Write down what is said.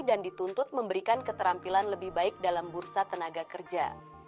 dan dituntut memberikan keterampilan lebih baik dalam bursa tenaga kerja